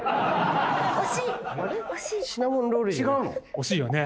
惜しいよね。